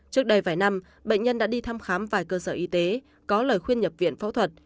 trước đây vài năm bệnh nhân đã đi thăm khám vài cơ sở y tế có lời khuyên nhập viện phẫu thuật